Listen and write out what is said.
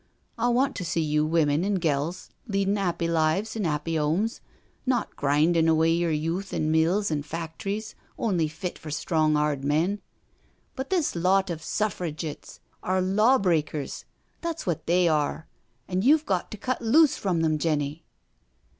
I want to see you women and gels leadin' 'appy lives in 'appy 'omes, not grindin' away yer youth in mills and factries only fit for strong, 'ard men. But this lot of Suffrigitts are law breakers, that's wot they are, an' you've got to cut loose from them, Jenny."